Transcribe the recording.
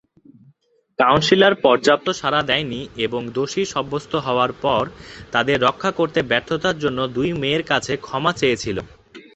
Council পর্যাপ্ত সাড়া দেয়নি এবং দোষী সাব্যস্ত হওয়ার পর, তাদের রক্ষা করতে ব্যর্থতার জন্য দুই মেয়ের কাছে ক্ষমা চেয়েছিল।